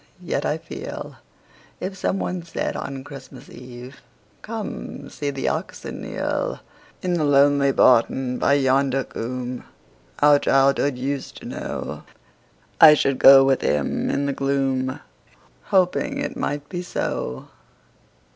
Yet, I feel, If someone said on Christmas Eve, "Come; see the oxen kneel,"In the lonely barton by yonder coomb Our childhood used to know,"I should go with him in the gloom, Hoping it might be so.